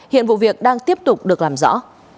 hiện vụ việc đang tiếp tục được làm rõ